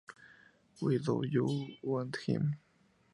Why Do You Want Him?